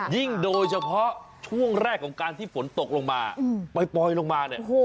โดยเฉพาะช่วงแรกของการที่ฝนตกลงมาปล่อยลงมาเนี่ย